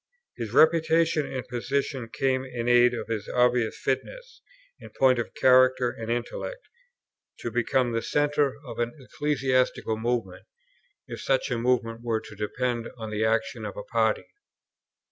His reputation and position came in aid of his obvious fitness, in point of character and intellect, to become the centre of an ecclesiastical movement, if such a movement were to depend on the action of a party.